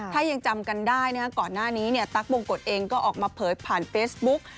ถ้ายังจำกันได้ก่อนหน้านี้ตั๊กบงกฎเองก็ออกมาเผยผ่านเฟซบุ๊ก